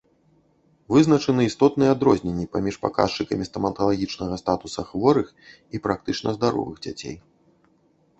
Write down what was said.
Вызначаны істотныя адрозненні паміж паказчыкамі стаматалагічнага статуса хворых і практычна здаровых дзяцей.